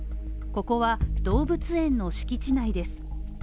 ここは動物園の敷地内です。